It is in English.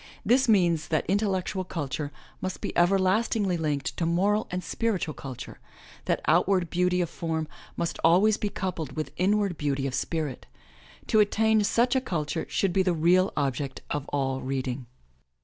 This means that intellectual culture must be everlastingly linked to moral and spiritual culture, that outward beauty of form must always be coupled with inward beauty of spirit. To attain such a culture should be the real object of all reading.